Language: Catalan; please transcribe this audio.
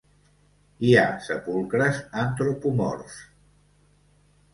Hi ha sepulcres antropomorfs.